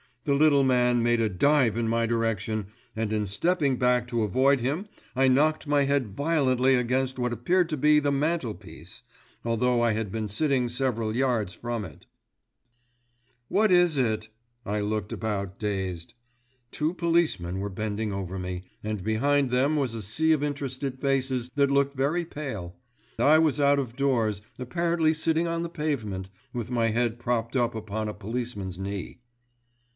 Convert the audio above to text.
The little man made a dive in my direction, and in stepping back to avoid him I knocked my head violently against what appeared to be the mantel piece, although I had been sitting several yards from it. "What is it?" I looked about dazed. Two policemen were bending over me, and behind them was a sea of interested faces that looked very pale, I was out of doors, apparently sitting on the pavement, with my head propped up upon a policeman's knee.